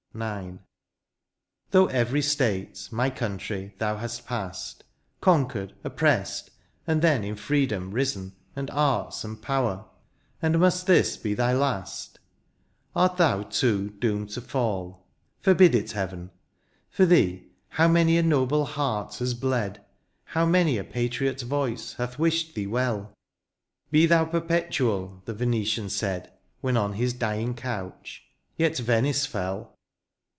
IX. Through every state, my country, thou hast past. Conquered, oppressed, and then in freedom risen. And arts and power — and must this be thy last ? Art thou, too, doomed to fall ? Forbid it heaven ! For thee how many a noble heart has bled. How many a patriot voice hath wished thee well: " Be thou perpetuaV^ the Venetian said. When on his dying couch — yet Venice fell